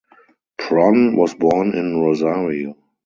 Pron was born in Rosario.